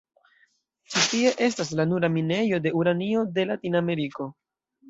Ĉi tie estas la nura minejo de uranio de la Latin-Ameriko.